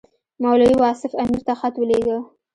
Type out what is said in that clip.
مولوي واصف امیر ته خط ولېږه.